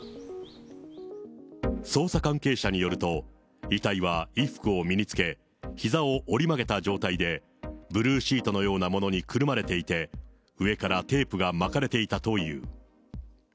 捜査関係者によると、遺体は衣服を身に着け、ひざを折り曲げた状態で、ブルーシートのようなものにくるまれていて、上からテープが巻かれていたという。